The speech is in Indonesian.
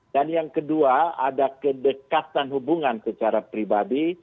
dan yang kedua ada kedekatan hubungan secara pribadi